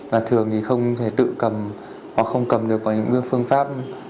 và thường thì không thể tự cầm hoặc không cầm được vào những phương pháp